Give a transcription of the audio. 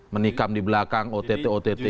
menikam di belakang ott ott